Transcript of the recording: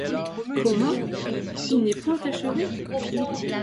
Comment! il n’est point achevé?